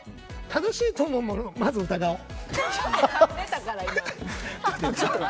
正しいと思うもの、まず疑おう。